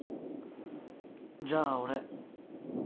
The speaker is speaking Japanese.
じゃあ俺